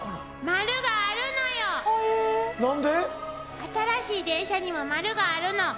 新しい電車にも丸があるの。